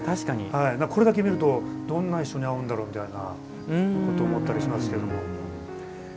これだけ見ると、どんな衣装に合うんだろうみたいなこと思ったりしますけども。